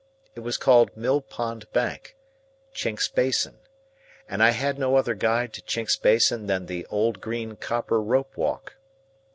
It was called Mill Pond Bank, Chinks's Basin; and I had no other guide to Chinks's Basin than the Old Green Copper Rope walk.